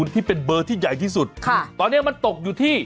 ที่เป็นเบอร์ที่ใหญ่ที่สุดตอนนี้มันตกอยู่ที่